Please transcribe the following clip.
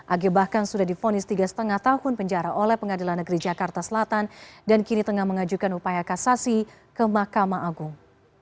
ag bahkan sudah difonis tiga lima tahun penjara oleh pengadilan negeri jakarta selatan dan kini tengah mengajukan upaya kasasi ke mahkamah agung